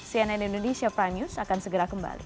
cnn indonesia prime news akan segera kembali